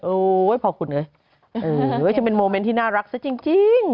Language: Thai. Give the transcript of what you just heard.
โอ๊ยพอขุดเลยจะเป็นโมเม้นท์ที่น่ารักซะจริง